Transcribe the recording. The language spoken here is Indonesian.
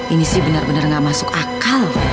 ini sih benar benar nggak masuk akal